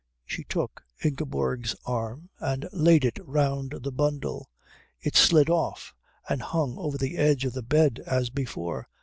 She took Ingeborg's arm and laid it round the bundle. It slid off and hung over the edge of the bed as before.